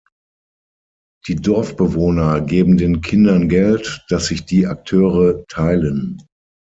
Die Dorfbewohner geben den Kindern Geld, das sich die Akteure teilen.